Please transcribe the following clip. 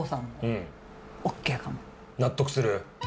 納得する？